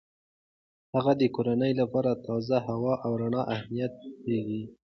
هغه د کورنۍ لپاره د تازه هوا او رڼا اهمیت پوهیږي.